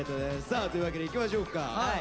さあというわけでいきましょうか。